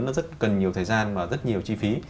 nó rất cần nhiều thời gian và rất nhiều chi phí